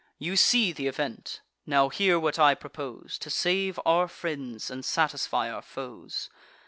You see th' event.—Now hear what I propose, To save our friends, and satisfy our foes.